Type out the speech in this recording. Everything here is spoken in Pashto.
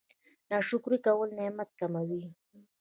ناشکري کول نعمت کموي